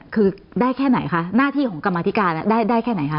คือได้แค่ไหนคะหน้าที่ของกรรมธิการได้แค่ไหนคะ